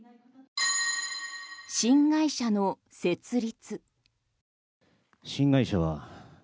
新会社の設立。